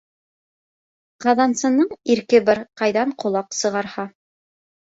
Ҡаҙансының ирке бар, ҡайҙан ҡолаҡ сығарһа.